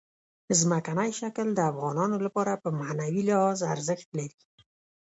ځمکنی شکل د افغانانو لپاره په معنوي لحاظ ارزښت لري.